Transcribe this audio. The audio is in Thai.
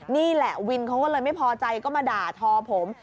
นี่แหละวินเขาก็เลยไม่พอใจก็มาด่าทอผม